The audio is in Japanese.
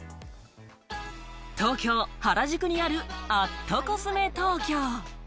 東京・原宿にあるアットコスメトーキョー。